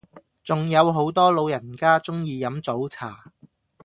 仲有好多老人家鐘意飲早茶